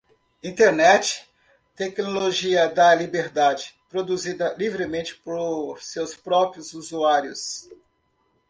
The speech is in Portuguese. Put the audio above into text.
Internet, tecnologia da liberdade, produzida livremente por seus próprios usuários.